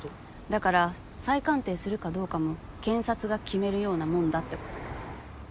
だから再鑑定するかどうかも検察が決めるようなもんだってこと。